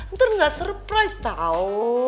ntar gak surprise tau